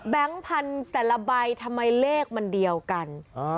พันธุ์แต่ละใบทำไมเลขมันเดียวกัน